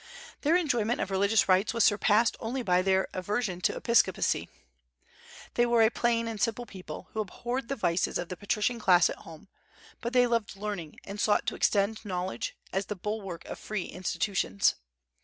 Their enjoyment of religious rights was surpassed only by their aversion to Episcopacy. They were a plain and simple people, who abhorred the vices of the patrician class at home; but they loved learning, and sought to extend knowledge, as the bulwark of free institutions.